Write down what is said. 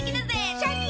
シャキン！